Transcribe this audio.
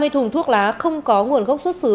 một trăm ba mươi thùng thuốc lá không có nguồn gốc xuất xứ